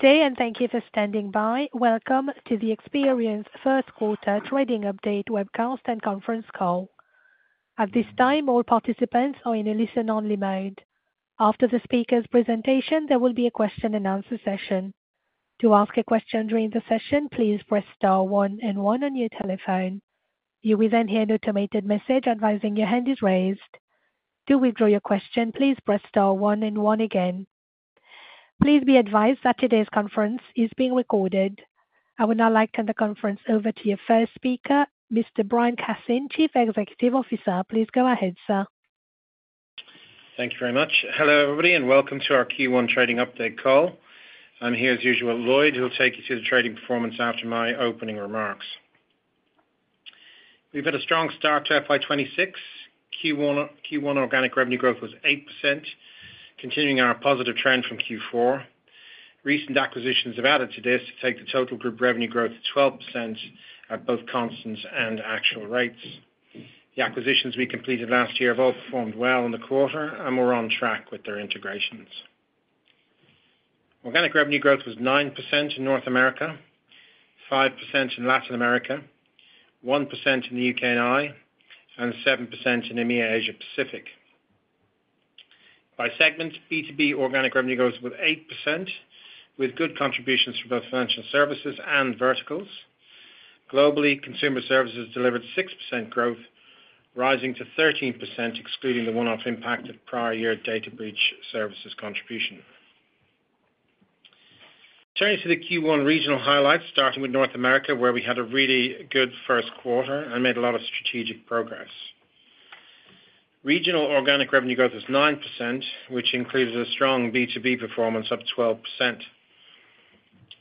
Good day, and thank you for standing by. Welcome to Experian's first quarter trading update webcast and conference call. At this time, all participants are in a listen-only mode. After the speaker's presentation, there will be a question-and-answer session. To ask a question during the session, please press star one and one on your telephone. You will then hear an automated message advising your hand is raised. To withdraw your question, please press star one and one again. Please be advised that today's conference is being recorded. I will now like to turn the conference over to your first speaker, Mr. Brian Cassin, Chief Executive Officer. Please go ahead, sir. Thank you very much. Hello, everybody, and welcome to our Q1 trading update call. I'm here, as usual, with Lloyd, who'll take you through the trading performance after my opening remarks. We've had a strong start to FY 2026. Q1 organic revenue growth was 8%, continuing our positive trend from Q4. Recent acquisitions have added to this to take the total group revenue growth to 12% at both constant and actual rates. The acquisitions we completed last year have all performed well in the quarter, and we're on track with their integrations. Organic revenue growth was 9% in North America, 5% in Latin America, 1% in the U.K. and I, and 7% in EMEA Asia Pacific. By segment, B2B organic revenue growth was 8%, with good contributions from both financial services and verticals. Globally, consumer services delivered 6% growth, rising to 13% excluding the one-off impact of prior year data breach services contribution. Turning to the Q1 regional highlights, starting with North America, where we had a really good first quarter and made a lot of strategic progress. Regional organic revenue growth was 9%, which included a strong B2B performance of 12%.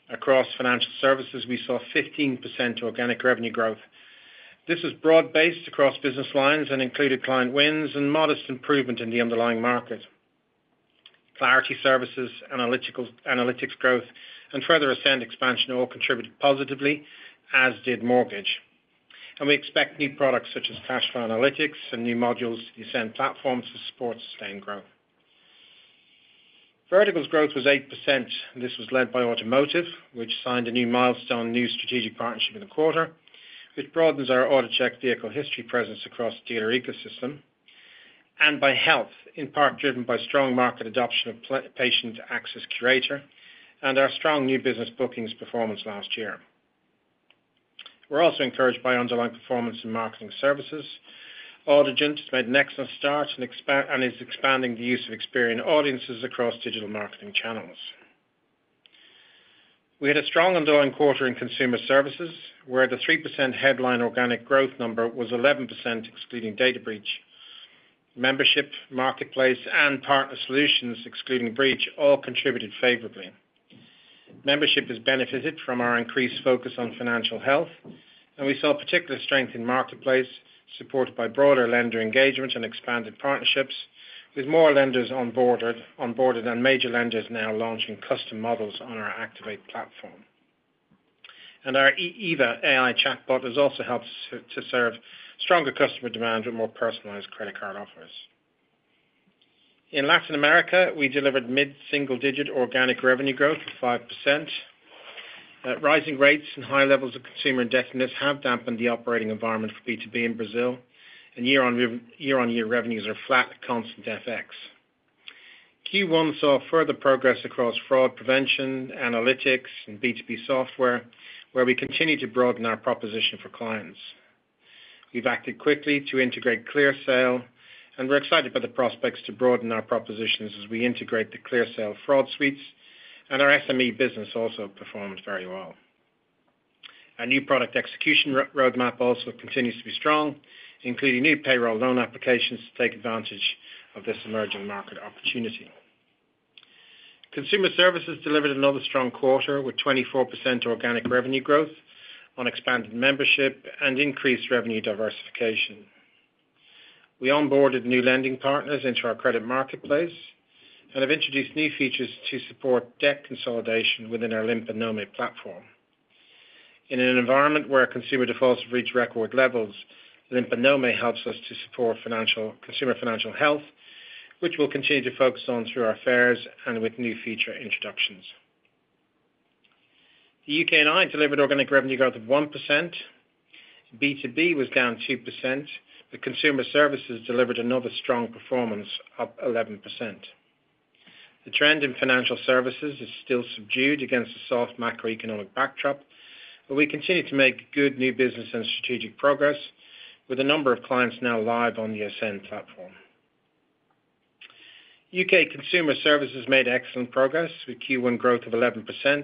Across financial services, we saw 15% organic revenue growth. This was broad-based across business lines and included client wins and modest improvement in the underlying market. Clarity Services, analytics growth, and further Ascent expansion all contributed positively, as did mortgage. We expect new products such as Cash Flow Analytics and new modules to the Ascent platform to support sustained growth. Verticals' growth was 8%. This was led by automotive, which signed a new milestone, new strategic partnership in the quarter, which broadens our Auto Check vehicle history presence across the dealer ecosystem, and by health, in part driven by strong market adoption of Patient Access Curator and our strong new business bookings performance last year. We're also encouraged by underlying performance in marketing services. Audigent has made an excellent start and is expanding the use of Experian Audiences across digital marketing channels. We had a strong underlying quarter in consumer services, where the 3% headline organic growth number was 11%, excluding data breach. Membership, marketplace, and partner solutions, excluding breach, all contributed favorably. Membership has benefited from our increased focus on financial health, and we saw particular strength in marketplace, supported by broader lender engagement and expanded partnerships, with more lenders on board and major lenders now launching custom models on our Activate platform. Our EVA AI chatbot has also helped to serve stronger customer demand with more personalized credit card offers. In Latin America, we delivered mid-single digit organic revenue growth of 5%. Rising rates and high levels of consumer indebtedness have dampened the operating environment for B2B in Brazil, and year-on-year revenues are flat, constant FX. Q1 saw further progress across fraud prevention, analytics, and B2B software, where we continue to broaden our proposition for clients. We have acted quickly to integrate ClearSale, and we are excited by the prospects to broaden our propositions as we integrate the ClearSale fraud suites, and our SME business also performed very well. Our new product execution roadmap also continues to be strong, including new payroll loan applications to take advantage of this emerging market opportunity. Consumer services delivered another strong quarter with 24% organic revenue growth on expanded membership and increased revenue diversification. We onboarded new lending partners into our credit marketplace and have introduced new features to support debt consolidation within our LimpaNome platform. In an environment where consumer defaults have reached record levels, LimpaNome helps us to support consumer financial health, which we'll continue to focus on through our fairs and with new feature introductions. The U.K. and Ireland delivered organic revenue growth of 1%. B2B was down 2%, but consumer services delivered another strong performance of 11%. The trend in financial services is still subdued against the soft macroeconomic backdrop, but we continue to make good new business and strategic progress, with a number of clients now live on the Ascent platform. U.K. consumer services made excellent progress with Q1 growth of 11%.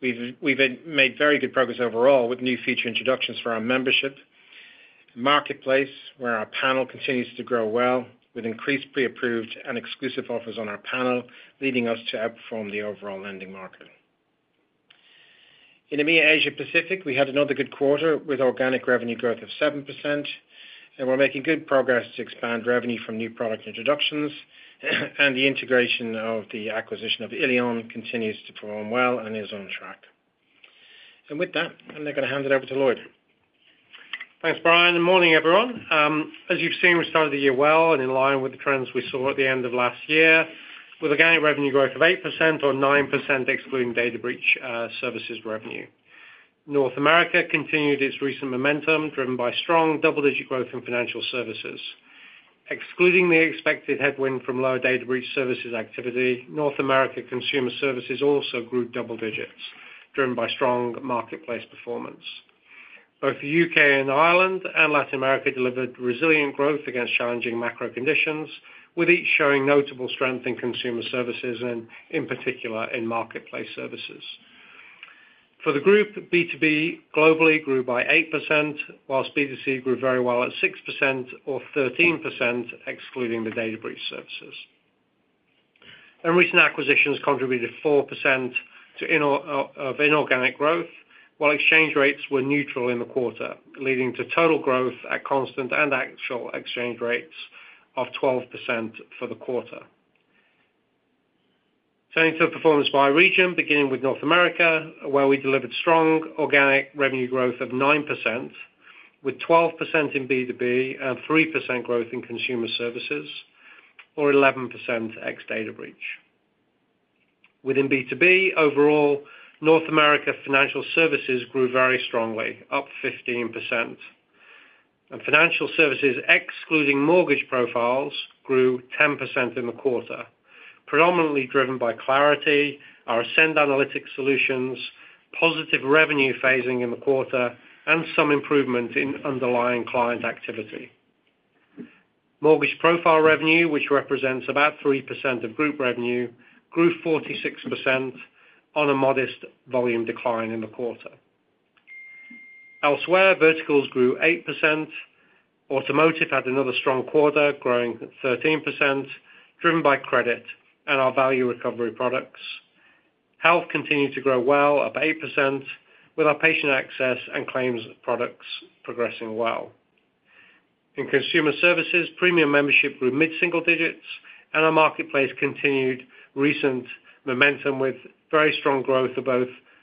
We've made very good progress overall with new feature introductions for our membership. Marketplace, where our panel continues to grow well, with increased pre-approved and exclusive offers on our panel, leading us to outperform the overall lending market. In EMEA Asia Pacific, we had another good quarter with organic revenue growth of 7%. We are making good progress to expand revenue from new product introductions, and the integration of the acquisition of illion continues to perform well and is on track. With that, I'm now going to hand it over to Lloyd. Thanks, Brian. Good morning, everyone. As you've seen, we started the year well and in line with the trends we saw at the end of last year, with organic revenue growth of 8% or 9%, excluding data breach services revenue. North America continued its recent momentum, driven by strong double-digit growth in financial services. Excluding the expected headwind from lower data breach services activity, North America consumer services also grew double digits, driven by strong marketplace performance. Both the U.K. and Ireland and Latin America delivered resilient growth against challenging macro conditions, with each showing notable strength in consumer services and, in particular, in marketplace services. For the group, B2B globally grew by 8%, whilst B2C grew very well at 6% or 13%, excluding the data breach services. Recent acquisitions contributed 4%. Of inorganic growth, while exchange rates were neutral in the quarter, leading to total growth at constant and actual exchange rates of 12% for the quarter. Turning to performance by region, beginning with North America, where we delivered strong organic revenue growth of 9%. With 12% in B2B and 3% growth in consumer services, or 11% ex-data breach. Within B2B, overall, North America financial services grew very strongly, up 15%. And financial services, excluding mortgage profiles, grew 10% in the quarter, predominantly driven by Clarity, our Ascent analytics solutions, positive revenue phasing in the quarter, and some improvement in underlying client activity. Mortgage profile revenue, which represents about 3% of group revenue, grew 46%. On a modest volume decline in the quarter. Elsewhere, verticals grew 8%. Automotive had another strong quarter, growing 13%, driven by credit and our value recovery products. Health continued to grow well, up 8%, with our patient access and claims products progressing well. In consumer services, premium membership grew mid-single digits, and our marketplace continued recent momentum with very strong growth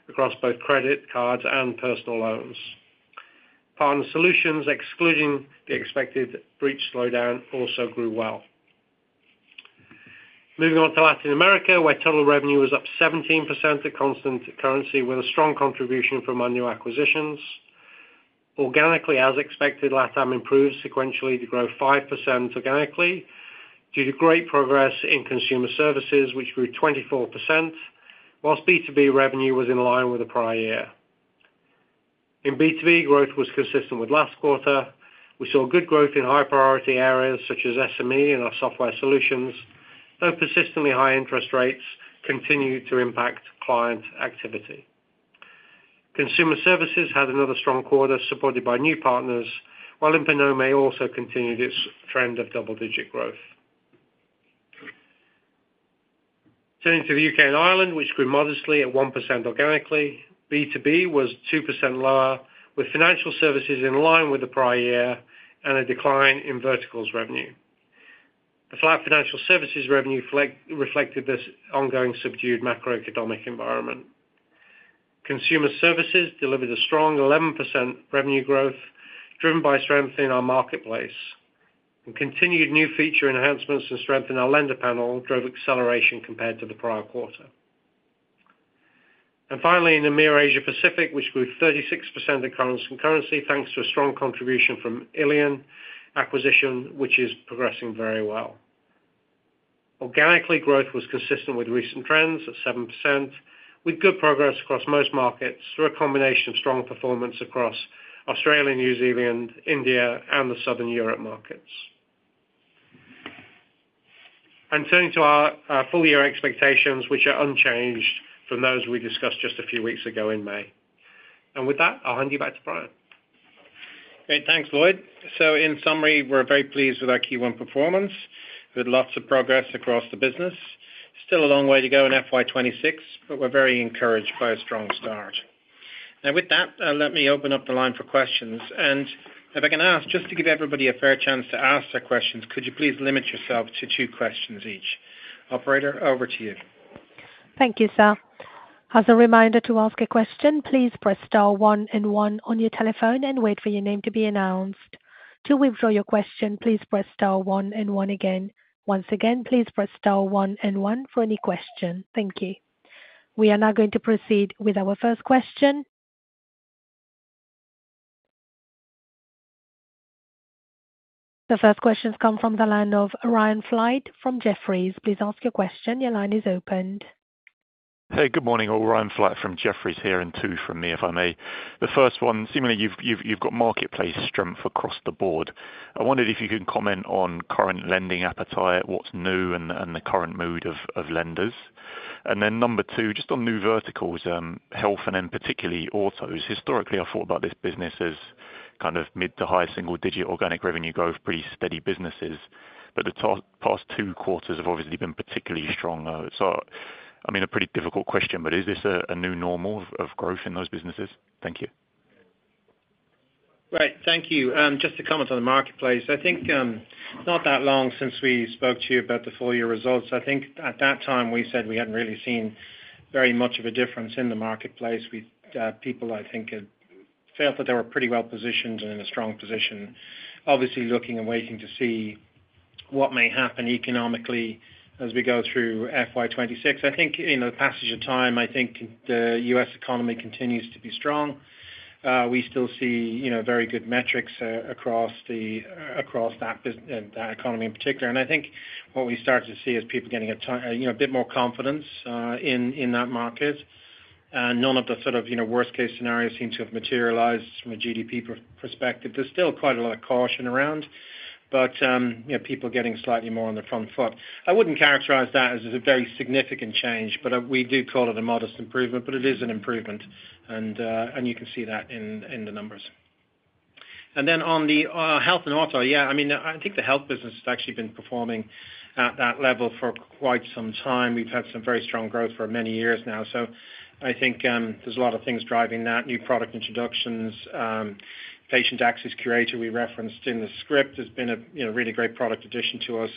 across both credit cards and personal loans. Partner solutions, excluding the expected breach slowdown, also grew well. Moving on to Latin America, where total revenue was up 17% at constant currency, with a strong contribution from our new acquisitions. Organically, as expected, Latin America improved sequentially to grow 5% organically due to great progress in consumer services, which grew 24%. Whilst B2B revenue was in line with the prior year. In B2B, growth was consistent with last quarter. We saw good growth in high-priority areas such as SME and our software solutions, though persistently high interest rates continued to impact client activity. Consumer services had another strong quarter, supported by new partners, while LimpaNome also continued its trend of double-digit growth. Turning to the U.K. and Ireland, which grew modestly at 1% organically, B2B was 2% lower, with financial services in line with the prior year and a decline in verticals' revenue. The flat financial services revenue reflected this ongoing subdued macroeconomic environment. Consumer services delivered a strong 11% revenue growth, driven by strength in our marketplace. Continued new feature enhancements and strength in our lender panel drove acceleration compared to the prior quarter. Finally, in EMEA Asia Pacific, which grew 36% in current currency thanks to a strong contribution from the illion acquisition, which is progressing very well. Organically, growth was consistent with recent trends at 7%, with good progress across most markets through a combination of strong performance across Australia, New Zealand, India, and the Southern Europe markets. Turning to our full-year expectations, which are unchanged from those we discussed just a few weeks ago in May. With that, I'll hand you back to Brian. Great. Thanks, Lloyd. In summary, we're very pleased with our Q1 performance, with lots of progress across the business. Still a long way to go in FY 2026, but we're very encouraged by a strong start. Now, with that, let me open up the line for questions. If I can ask, just to give everybody a fair chance to ask their questions, could you please limit yourself to two questions each? Operator, over to you. Thank you, sir. As a reminder to ask a question, please press star one and one on your telephone and wait for your name to be announced. To withdraw your question, please press star one and one again. Once again, please press star one and one for any question. Thank you. We are now going to proceed with our first question. The first question's come from the line of Ryan Flight from Jefferies. Please ask your question. Your line is opened. Hey, good morning. Ryan Flight from Jefferies here and two from me, if I may. The first one, seemingly you've got marketplace strength across the board. I wondered if you could comment on current lending appetite, what's new, and the current mood of lenders. And then number two, just on new verticals, health and in particularly autos. Historically, I thought about this business as kind of mid to high single-digit organic revenue growth, pretty steady businesses, but the past two quarters have obviously been particularly strong. So, I mean, a pretty difficult question, but is this a new normal of growth in those businesses? Thank you. Right. Thank you. Just to comment on the marketplace, I think it's not that long since we spoke to you about the full-year results. I think at that time, we said we hadn't really seen very much of a difference in the marketplace. People, I think, felt that they were pretty well positioned and in a strong position. Obviously looking and waiting to see what may happen economically as we go through FY 2026. I think in the passage of time, I think the U.S. economy continues to be strong. We still see very good metrics across that economy in particular. I think what we started to see is people getting a bit more confidence in that market. None of the sort of worst-case scenarios seem to have materialized from a GDP perspective. There's still quite a lot of caution around, but people getting slightly more on the front foot. I wouldn't characterize that as a very significant change, but we do call it a modest improvement, but it is an improvement. You can see that in the numbers. On the health and auto, yeah, I mean, I think the health business has actually been performing at that level for quite some time. We've had some very strong growth for many years now. I think there's a lot of things driving that: new product introductions, Patient Access Curator we referenced in the script has been a really great product addition to us.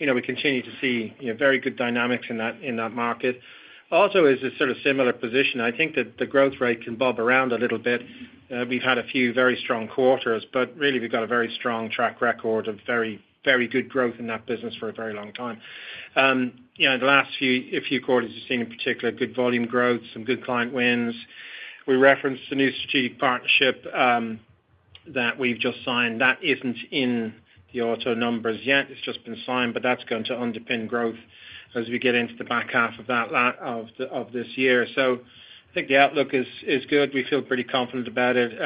We continue to see very good dynamics in that market. Auto is a sort of similar position. I think that the growth rate can bob around a little bit. We've had a few very strong quarters, but really we've got a very strong track record of very good growth in that business for a very long time. The last few quarters you've seen, in particular, good volume growth, some good client wins. We referenced the new strategic partnership that we've just signed. That isn't in the auto numbers yet. It's just been signed, but that's going to underpin growth as we get into the back half of this year. I think the outlook is good. We feel pretty confident about it.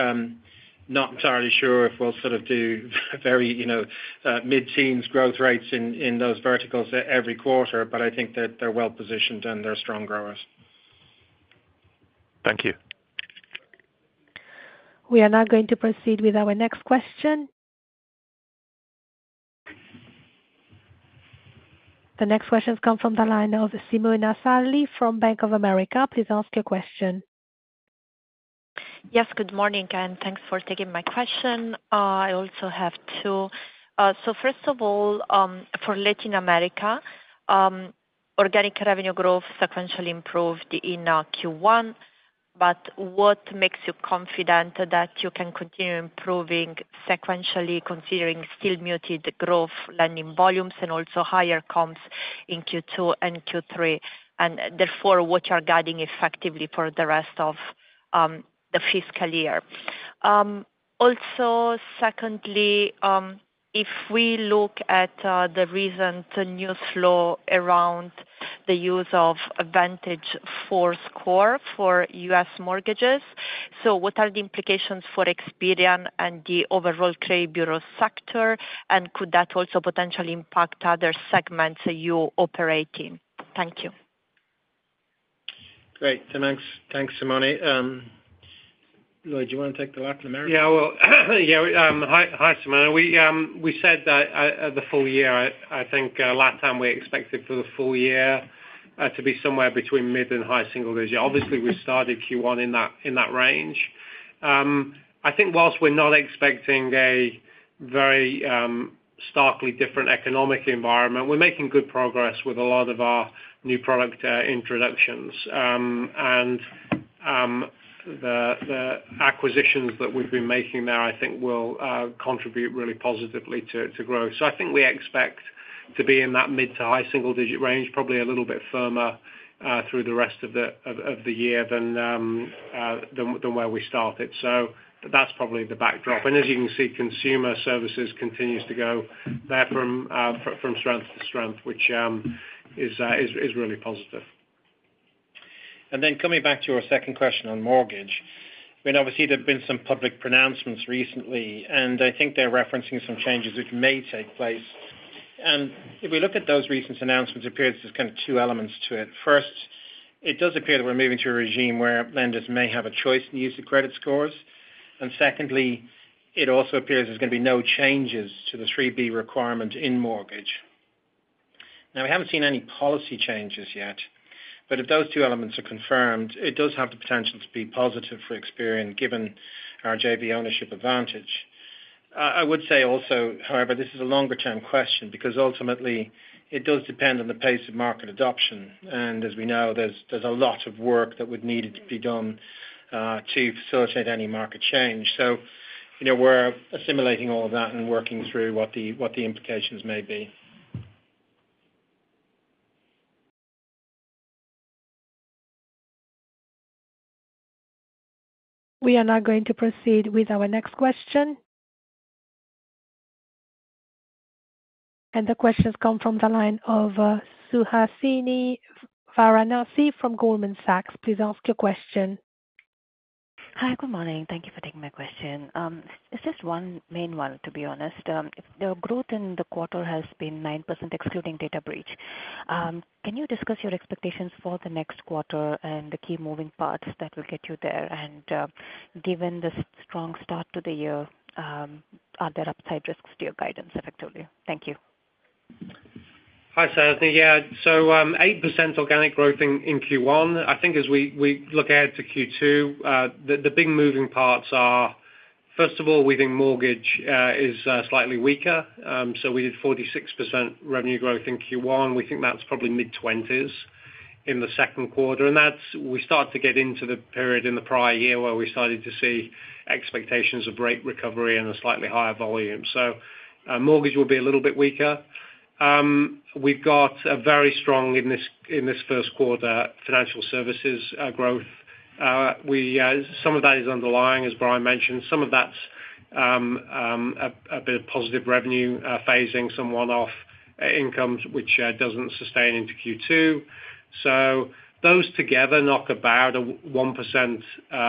Not entirely sure if we'll sort of do very mid-teens growth rates in those verticals every quarter, but I think that they're well positioned and they're strong growers. Thank you. We are now going to proceed with our next question. The next question's come from the line of Simona Sarli from Bank of America. Please ask your question. Yes, good morning, and thanks for taking my question. I also have two. First of all, for Latin America, organic revenue growth sequentially improved in Q1, but what makes you confident that you can continue improving sequentially, considering still muted growth, lending volumes, and also higher comps in Q2 and Q3, and therefore what you are guiding effectively for the rest of the fiscal year? Also, secondly, if we look at the recent news flow around the use of VantageScore 4.0 for US mortgages, what are the implications for Experian and the overall credit bureau sector, and could that also potentially impact other segments you operate in? Thank you. Great. Thanks, Simona. Lloyd, do you want to take the Latin America? Yeah. Yeah. Hi, Simona. We said that the full year, I think last time we expected for the full year to be somewhere between mid and high single digit. Obviously, we started Q1 in that range. I think whilst we're not expecting a very starkly different economic environment, we're making good progress with a lot of our new product introductions. The acquisitions that we've been making there, I think, will contribute really positively to growth. I think we expect to be in that mid to high single-digit range, probably a little bit firmer through the rest of the year than where we started. That's probably the backdrop. As you can see, consumer services continues to go there from strength to strength, which is really positive. Coming back to your second question on mortgage, I mean, obviously, there have been some public pronouncements recently, and I think they're referencing some changes which may take place. If we look at those recent announcements, it appears there's kind of two elements to it. First, it does appear that we're moving to a regime where lenders may have a choice in the use of credit scores. Secondly, it also appears there's going to be no changes to the 3B requirement in mortgage. We haven't seen any policy changes yet, but if those two elements are confirmed, it does have the potential to be positive for Experian given our JV ownership advantage. I would say also, however, this is a longer-term question because ultimately it does depend on the pace of market adoption. As we know, there's a lot of work that would need to be done to facilitate any market change. We are assimilating all of that and working through what the implications may be. We are now going to proceed with our next question. The question's come from the line of Suhasini Varanasi from Goldman Sachs. Please ask your question. Hi, good morning. Thank you for taking my question. It's just one main one, to be honest. The growth in the quarter has been 9% excluding data breach. Can you discuss your expectations for the next quarter and the key moving parts that will get you there? Given the strong start to the year, are there upside risks to your guidance, effectively? Thank you. Hi, Suhasini. Yeah. So 8% organic growth in Q1. I think as we look ahead to Q2, the big moving parts are, first of all, we think mortgage is slightly weaker. We did 46% revenue growth in Q1. We think that's probably mid-20s in the second quarter. We started to get into the period in the prior year where we started to see expectations of rate recovery and a slightly higher volume. Mortgage will be a little bit weaker. We've got a very strong, in this first quarter, financial services growth. Some of that is underlying, as Brian mentioned. Some of that's a bit of positive revenue phasing, some one-off incomes, which doesn't sustain into Q2. Those together knock about a 1%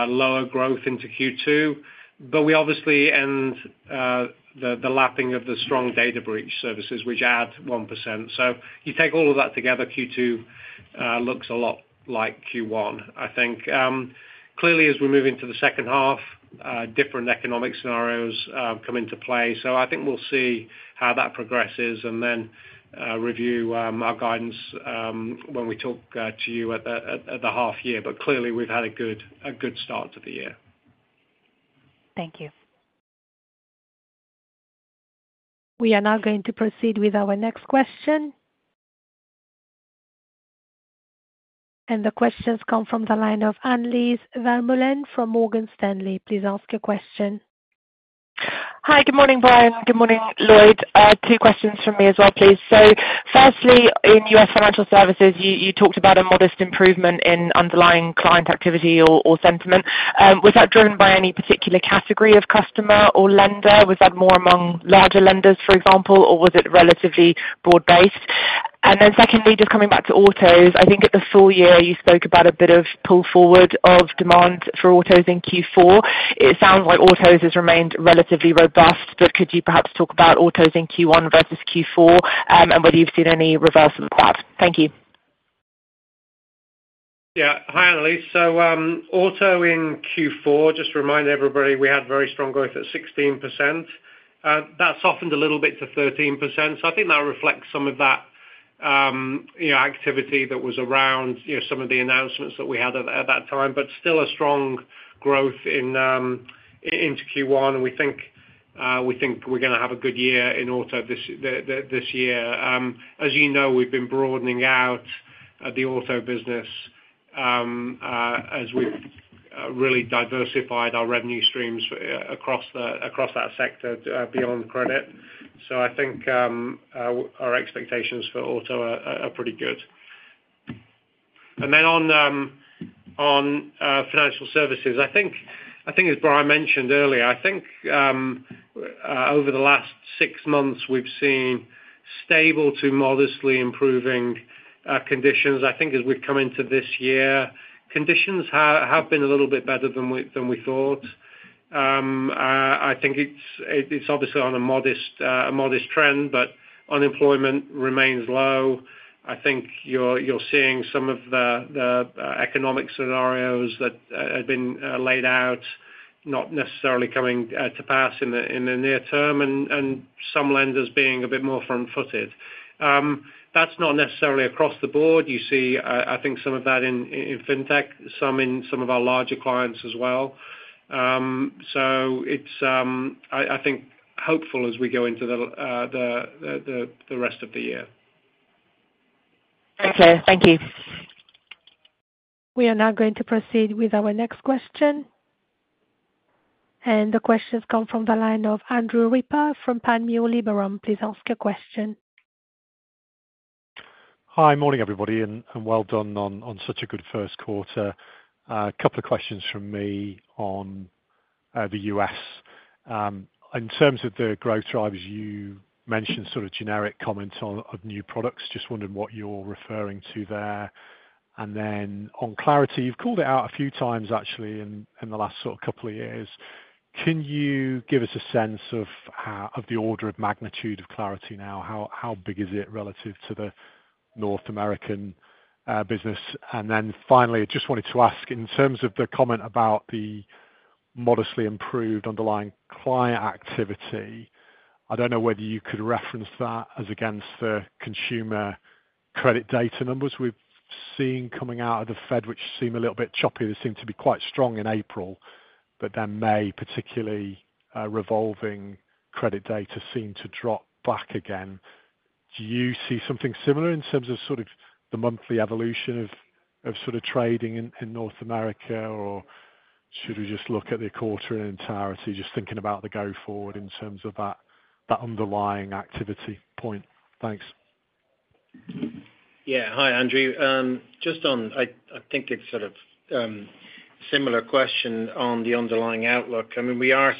lower growth into Q2, but we obviously end the lapping of the strong data breach services, which add 1%. You take all of that together, Q2 looks a lot like Q1, I think. Clearly, as we move into the second half, different economic scenarios come into play. I think we'll see how that progresses and then review our guidance when we talk to you at the half year. Clearly, we've had a good start to the year. Thank you. We are now going to proceed with our next question. The questions come from the line of Annelies Vermeulen from Morgan Stanley. Please ask your question. Hi, good morning, Brian. Good morning, Lloyd. Two questions from me as well, please. Firstly, in your financial services, you talked about a modest improvement in underlying client activity or sentiment. Was that driven by any particular category of customer or lender? Was that more among larger lenders, for example, or was it relatively broad-based? Secondly, just coming back to autos, I think at the full year, you spoke about a bit of pull forward of demand for autos in Q4. It sounds like autos has remained relatively robust, but could you perhaps talk about autos in Q1 versus Q4 and whether you've seen any reversal of that? Thank you. Yeah. Hi, Annelies. So auto in Q4, just to remind everybody, we had very strong growth at 16%. That softened a little bit to 13%. I think that reflects some of that activity that was around some of the announcements that we had at that time, but still a strong growth into Q1. We think we're going to have a good year in auto this year. As you know, we've been broadening out the auto business as we've really diversified our revenue streams across that sector beyond credit. I think our expectations for auto are pretty good. On financial services, I think, as Brian mentioned earlier, over the last six months, we've seen stable to modestly improving conditions. I think as we've come into this year, conditions have been a little bit better than we thought. I think it's obviously on a modest. Trend, but unemployment remains low. I think you're seeing some of the economic scenarios that have been laid out not necessarily coming to pass in the near term and some lenders being a bit more front-footed. That's not necessarily across the board. You see, I think, some of that in fintech, some in some of our larger clients as well. It is, I think, hopeful as we go into the rest of the year. Okay. Thank you. We are now going to proceed with our next question. The questions come from the line of Andrew Ripper from Liberum. Please ask your question. Hi, morning, everybody, and well done on such a good first quarter. A couple of questions from me on the U.S. In terms of the growth drivers, you mentioned sort of generic comments on new products. Just wondering what you're referring to there. Then on Clarity, you've called it out a few times, actually, in the last sort of couple of years. Can you give us a sense of the order of magnitude of Clarity now? How big is it relative to the North American business? Finally, I just wanted to ask, in terms of the comment about the modestly improved underlying client activity, I don't know whether you could reference that as against the consumer credit data numbers we've seen coming out of the Fed, which seem a little bit choppy. They seem to be quite strong in April, but then May, particularly revolving credit data, seem to drop back again. Do you see something similar in terms of sort of the monthly evolution of sort of trading in North America, or should we just look at the quarter in entirety, just thinking about the go-forward in terms of that underlying activity point? Thanks. Yeah. Hi, Andrew. Just on, I think, sort of. Similar question on the underlying outlook. I mean, we are, as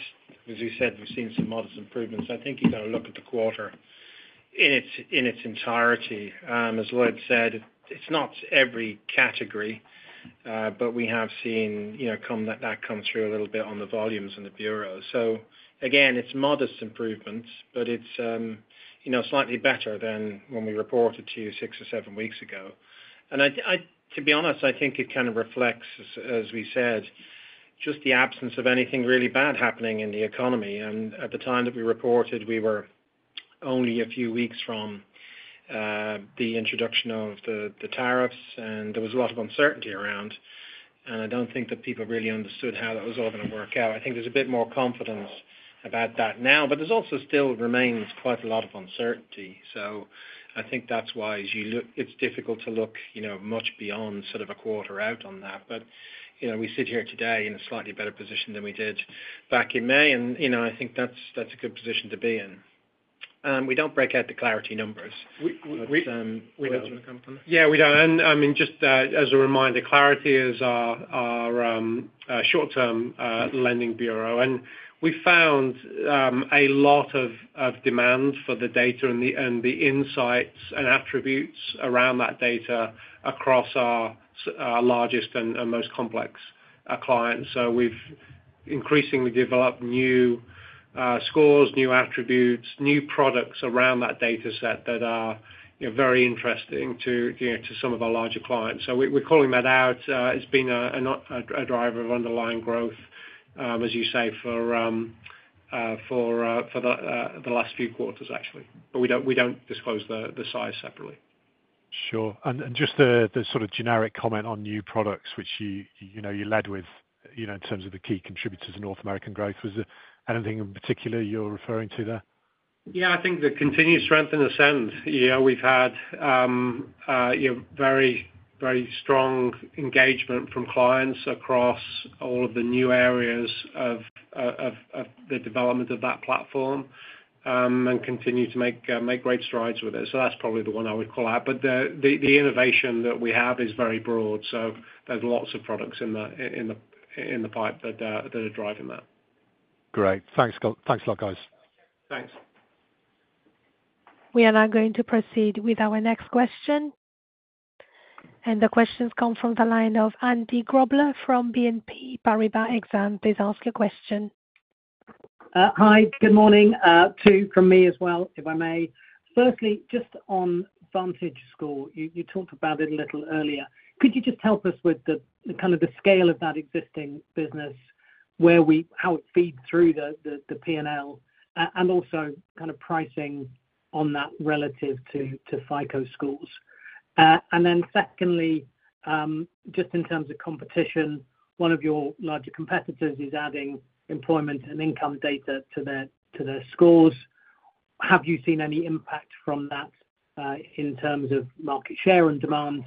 we said, we've seen some modest improvements. I think you've got to look at the quarter in its entirety. As Lloyd said, it's not every category, but we have seen that come through a little bit on the volumes and the bureaus. Again, it's modest improvements, but it's slightly better than when we reported to you six or seven weeks ago. To be honest, I think it kind of reflects, as we said, just the absence of anything really bad happening in the economy. At the time that we reported, we were only a few weeks from the introduction of the tariffs, and there was a lot of uncertainty around. I don't think that people really understood how that was all going to work out. I think there's a bit more confidence about that now, but there also still remains quite a lot of uncertainty. I think that's why it's difficult to look much beyond sort of a quarter out on that. We sit here today in a slightly better position than we did back in May, and I think that's a good position to be in. We don't break out the Clarity numbers. We don't. What else you want to comment on that? Yeah, we do not. I mean, just as a reminder, Clarity is our short-term lending bureau. We found a lot of demand for the data and the insights and attributes around that data across our largest and most complex clients. We have increasingly developed new scores, new attributes, new products around that data set that are very interesting to some of our larger clients. We are calling that out. It has been a driver of underlying growth, as you say, for the last few quarters, actually. We do not disclose the size separately. Sure. Just the sort of generic comment on new products, which you led with in terms of the key contributors in North American growth, was there anything in particular you're referring to there? Yeah. I think the continued strength in the Ascent. We've had very strong engagement from clients across all of the new areas of the development of that platform. We continue to make great strides with it. That is probably the one I would call out. The innovation that we have is very broad. There are lots of products in the pipe that are driving that. Great. Thanks a lot, guys. Thanks. We are now going to proceed with our next question. The questions come from the line of Andy Grobler from BNP Paribas Exane. Please ask your question. Hi, good morning. Two from me as well, if I may. Firstly, just on VantageScore, you talked about it a little earlier. Could you just help us with kind of the scale of that existing business, how it feeds through the P&L, and also kind of pricing on that relative to FICO scores? And then secondly, just in terms of competition, one of your larger competitors is adding employment and income data to their scores. Have you seen any impact from that in terms of market share and demand,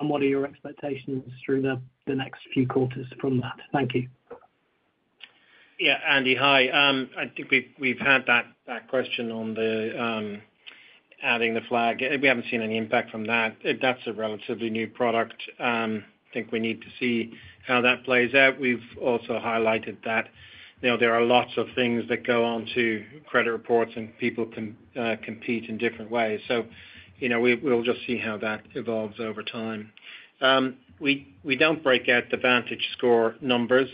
and what are your expectations through the next few quarters from that? Thank you. Yeah. Andy, hi. I think we've had that question on the adding the flag. We haven't seen any impact from that. That's a relatively new product. I think we need to see how that plays out. We've also highlighted that there are lots of things that go on to credit reports, and people can compete in different ways. We'll just see how that evolves over time. We don't break out the VantageScore numbers.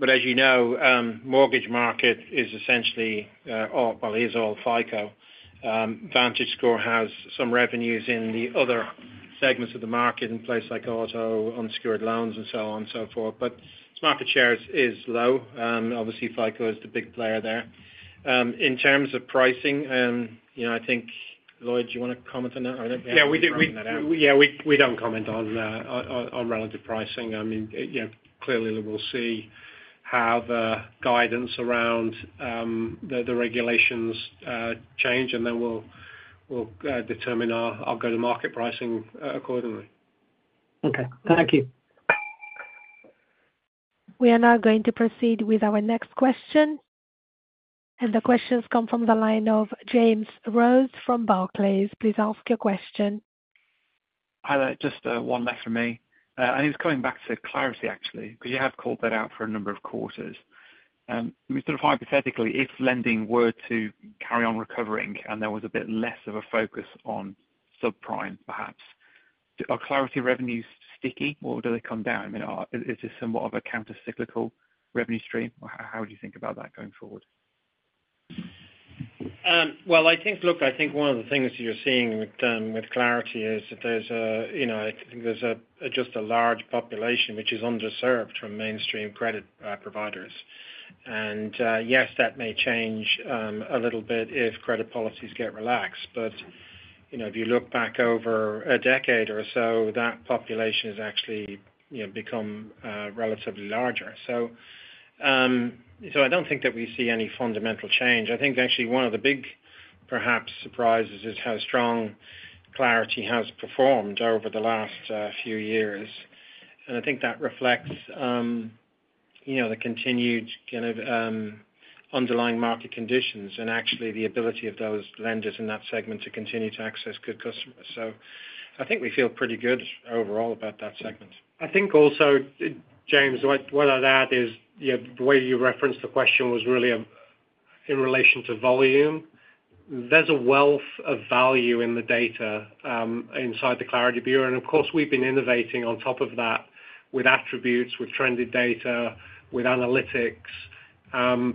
As you know, mortgage market is essentially, or is all FICO. VantageScore has some revenues in the other segments of the market in places like auto, unsecured loans, and so on and so forth. Its market share is low. Obviously, FICO is the big player there. In terms of pricing, I think, Lloyd, do you want to comment on that? Yeah. We do not comment on relative pricing. I mean, clearly, we will see how the guidance around the regulations change, and then we will determine our go-to-market pricing accordingly. Okay. Thank you. We are now going to proceed with our next question. The questions come from the line of James Rose from Barclays. Please ask your question. Hi, there. Just one left for me. It is coming back to Clarity, actually, because you have called that out for a number of quarters. I mean, sort of hypothetically, if lending were to carry on recovering and there was a bit less of a focus on subprime, perhaps, are Clarity revenues sticky, or do they come down? I mean, is this somewhat of a countercyclical revenue stream? How would you think about that going forward? I think, look, I think one of the things you're seeing with Clarity is that there's a—I think there's just a large population which is underserved from mainstream credit providers. Yes, that may change a little bit if credit policies get relaxed. If you look back over a decade or so, that population has actually become relatively larger. I don't think that we see any fundamental change. I think actually one of the big, perhaps, surprises is how strong Clarity has performed over the last few years. I think that reflects the continued kind of underlying market conditions and actually the ability of those lenders in that segment to continue to access good customers. I think we feel pretty good overall about that segment. I think also, James, whether that is the way you referenced the question was really in relation to volume, there's a wealth of value in the data inside the Clarity Bureau. Of course, we've been innovating on top of that with attributes, with trended data, with analytics,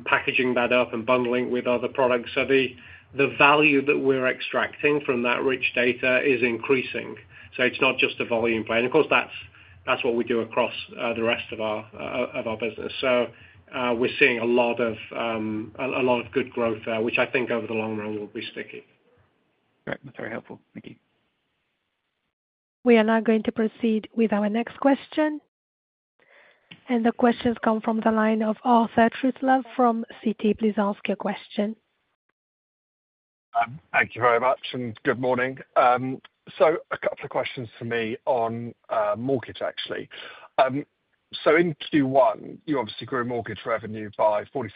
packaging that up and bundling with other products. The value that we're extracting from that rich data is increasing. It's not just a volume play. Of course, that's what we do across the rest of our business. We're seeing a lot of good growth there, which I think over the long run will be sticky. Great. That's very helpful. Thank you. We are now going to proceed with our next question. The questions come from the line of Arthur Truslove from Citi. Please ask your question. Thank you very much, and good morning. A couple of questions for me on mortgage, actually. In Q1, you obviously grew mortgage revenue by 46%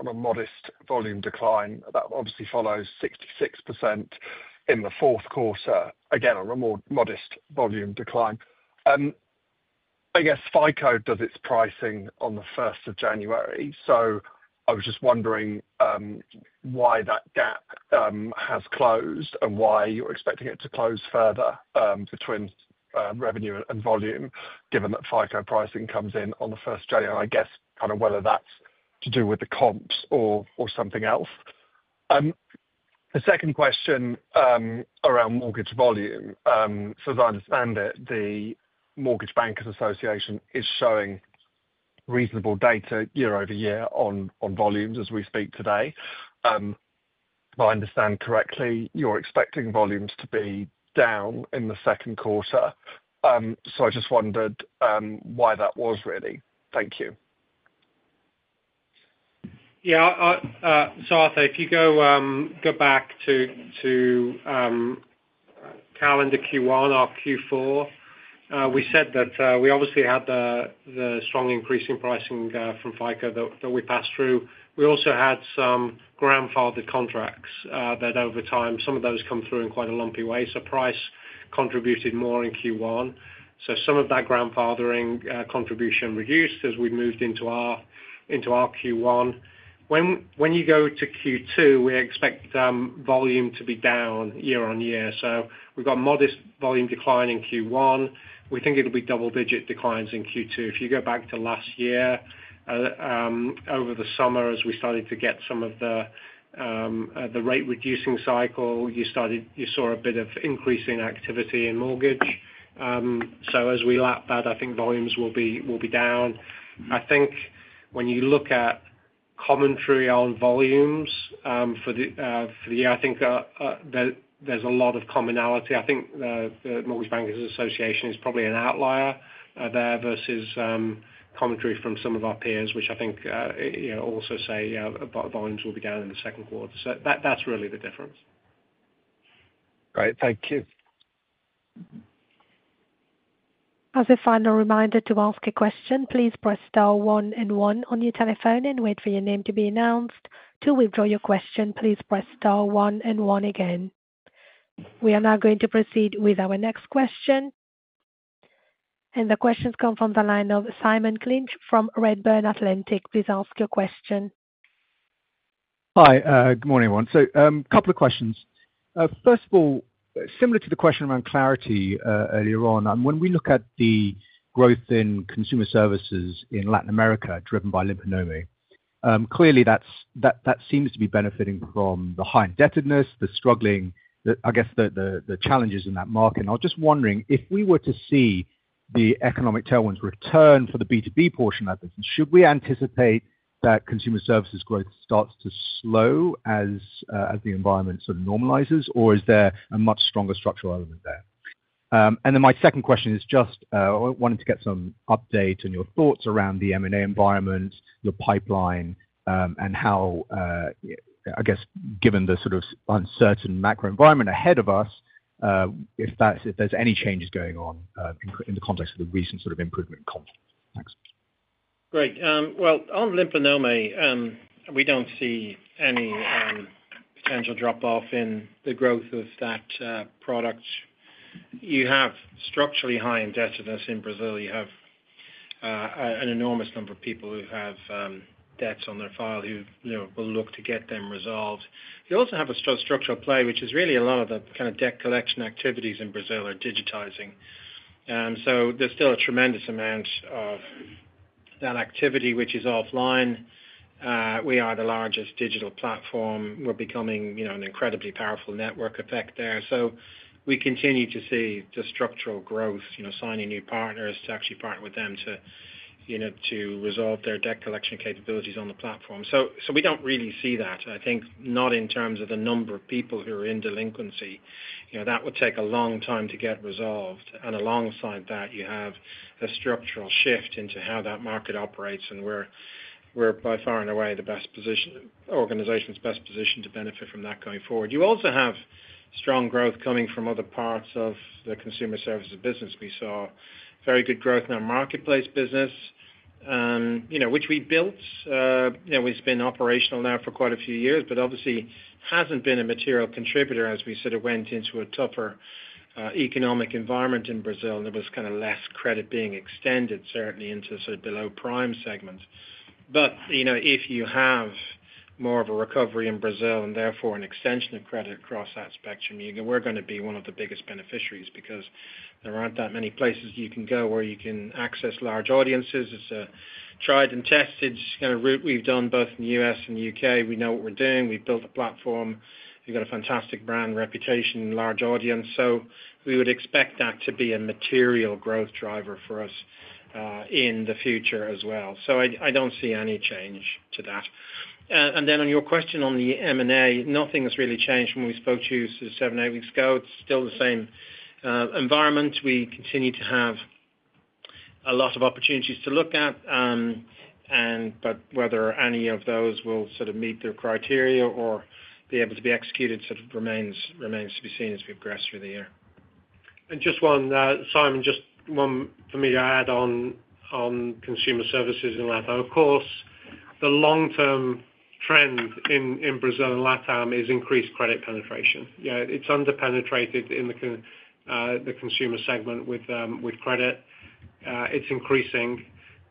on a modest volume decline. That obviously follows 66% in the fourth quarter, again, on a more modest volume decline. I guess FICO does its pricing on the 1st of January. I was just wondering why that gap has closed and why you're expecting it to close further between revenue and volume, given that FICO pricing comes in on the 1st of January. I guess kind of whether that's to do with the comps or something else. The second question around mortgage volume, as I understand it, the Mortgage Bankers Association is showing reasonable data year over year on volumes as we speak today. If I understand correctly, you're expecting volumes to be down in the second quarter. I just wondered why that was, really. Thank you. Yeah. So Arthur, if you go back to calendar Q1 or Q4, we said that we obviously had the strong increase in pricing from FICO that we passed through. We also had some grandfathered contracts that over time, some of those come through in quite a lumpy way. So price contributed more in Q1. Some of that grandfathering contribution reduced as we moved into our Q1. When you go to Q2, we expect volume to be down year on year. We have got modest volume decline in Q1. We think it will be double-digit declines in Q2. If you go back to last year, over the summer, as we started to get some of the rate-reducing cycle, you saw a bit of increasing activity in mortgage. As we lap that, I think volumes will be down. I think when you look at. Commentary on volumes for the year, I think. There's a lot of commonality. I think the Mortgage Bankers Association is probably an outlier there versus commentary from some of our peers, which I think also say volumes will be down in the second quarter. That's really the difference. Great. Thank you. As a final reminder to ask a question, please press star one and one on your telephone and wait for your name to be announced. To withdraw your question, please press star one and one again. We are now going to proceed with our next question. The questions come from the line of Simon Clinch from Redburn Atlantic. Please ask your question. Hi. Good morning, everyone. A couple of questions. First of all, similar to the question around Clarity earlier on, when we look at the growth in consumer services in Latin America driven by LimpaNome, clearly that seems to be benefiting from the high indebtedness, the struggling, I guess, the challenges in that market. I was just wondering, if we were to see the economic tailwinds return for the B2B portion of it, should we anticipate that consumer services growth starts to slow as the environment sort of normalizes, or is there a much stronger structural element there? My second question is just wanting to get some update on your thoughts around the M&A environment, your pipeline, and how, I guess, given the sort of uncertain macro environment ahead of us, if there's any changes going on. In the context of the recent sort of improvement in comps. Thanks. Great. On LimpaNome, we do not see any potential drop-off in the growth of that product. You have structurally high indebtedness in Brazil. You have an enormous number of people who have debts on their file who will look to get them resolved. You also have a structural play, which is really a lot of the kind of debt collection activities in Brazil are digitizing. There is still a tremendous amount of that activity, which is offline. We are the largest digital platform. We are becoming an incredibly powerful network effect there. We continue to see the structural growth, signing new partners to actually partner with them to resolve their debt collection capabilities on the platform. We do not really see that. I think not in terms of the number of people who are in delinquency. That would take a long time to get resolved. Alongside that, you have a structural shift into how that market operates, and we are by far and away the best. Organization's best positioned to benefit from that going forward. You also have strong growth coming from other parts of the consumer services business. We saw very good growth in our marketplace business, which we built. We have been operational now for quite a few years, but obviously it has not been a material contributor as we sort of went into a tougher economic environment in Brazil, and there was kind of less credit being extended, certainly, into sort of below prime segments. If you have more of a recovery in Brazil and therefore an extension of credit across that spectrum, we are going to be one of the biggest beneficiaries because there are not that many places you can go where you can access large audiences. It's a tried and tested kind of route we've done both in the U.S. and the U.K. We know what we're doing. We've built a platform. We've got a fantastic brand reputation and large audience. We would expect that to be a material growth driver for us in the future as well. I don't see any change to that. On your question on the M&A, nothing has really changed when we spoke to you seven or eight weeks ago. It's still the same environment. We continue to have a lot of opportunities to look at, but whether any of those will sort of meet their criteria or be able to be executed sort of remains to be seen as we progress through the year. Just one, Simon, just one for me to add on. Consumer services in Latin America. Of course, the long-term trend in Brazil and Lat Am is increased credit penetration. It's underpenetrated in the consumer segment with credit. It's increasing.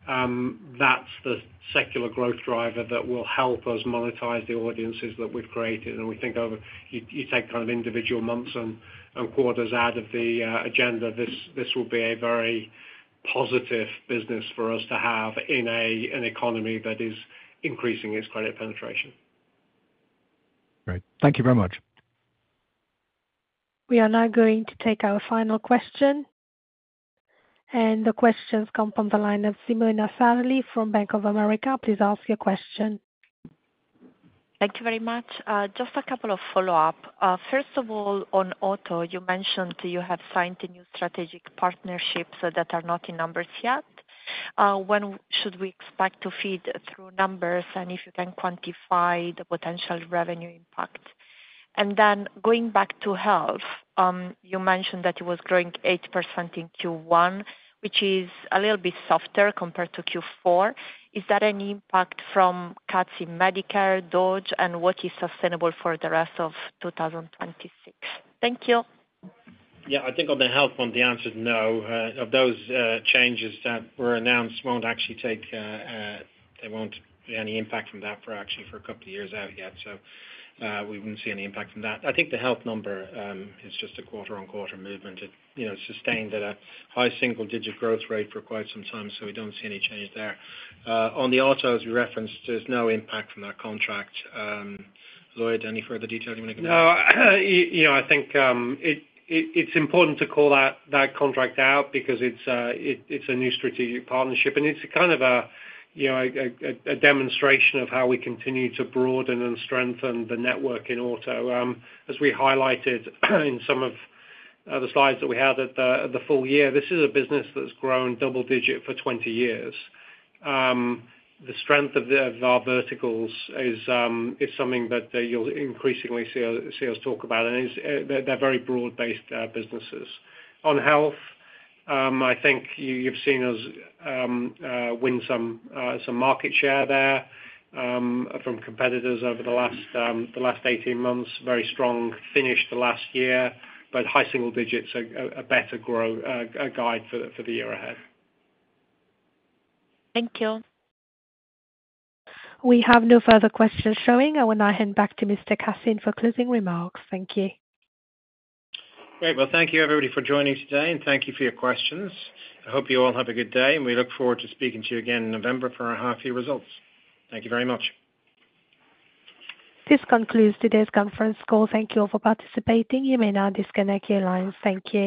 That's the secular growth driver that will help us monetize the audiences that we've created. We think you take kind of individual months and quarters out of the agenda, this will be a very positive business for us to have in an economy that is increasing its credit penetration. Great. Thank you very much. We are now going to take our final question. The questions come from the line of Simona Sallee from Bank of America. Please ask your question. Thank you very much. Just a couple of follow-ups. First of all, on auto, you mentioned you have signed new strategic partnerships that are not in numbers yet. When should we expect to feed through numbers and if you can quantify the potential revenue impact? Then going back to health, you mentioned that it was growing 8% in Q1, which is a little bit softer compared to Q4. Is that an impact from cuts in Medicare, DOGE, and what is sustainable for the rest of 2026? Thank you. Yeah. I think on the health one, the answer is no. Of those changes that were announced, will not actually take. There will not be any impact from that for actually for a couple of years out yet. We would not see any impact from that. I think the health number is just a quarter-on-quarter movement. It is sustained at a high single-digit growth rate for quite some time, so we do not see any change there. On the auto, as we referenced, there is no impact from that contract. Lloyd, any further detail you want to give? No. I think it's important to call that contract out because it's a new strategic partnership. It's kind of a demonstration of how we continue to broaden and strengthen the network in auto. As we highlighted in some of the slides that we had at the full year, this is a business that's grown double-digit for 20 years. The strength of our verticals is something that you'll increasingly see us talk about. They're very broad-based businesses. On health, I think you've seen us win some market share there from competitors over the last 18 months. Very strong finish the last year, but high single digits are a better growth guide for the year ahead. Thank you. We have no further questions showing. I will now hand back to Mr. Cassin for closing remarks. Thank you. Great. Thank you, everybody, for joining today. Thank you for your questions. I hope you all have a good day. We look forward to speaking to you again in November for our half-year results. Thank you very much. This concludes today's conference call. Thank you all for participating. You may now disconnect your lines. Thank you.